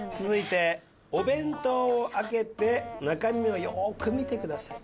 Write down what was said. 続いてお弁当を開けて中身をよく見てください。